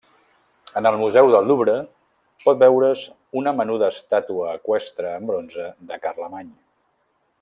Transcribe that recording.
En el Museu del Louvre pot veure's una menuda estàtua eqüestre en bronze de Carlemany.